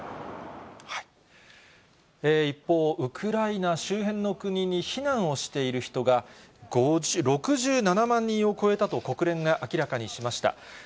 一方、ウクライナ周辺の国に避難をしている人が、６７万人を超えたと国連が明らかにしました。